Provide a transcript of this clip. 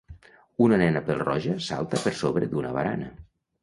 Una nena pèl-roja salta per sobre d'una barana